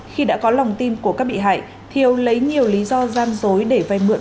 khi đã có lòng tim của các bị hại thiều lấy nhiều lý do giam dối để vay mượn